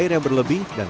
harusnya menjadi tepung